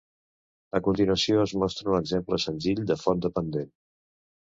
A continuació, es mostra un exemple senzill de font dependent.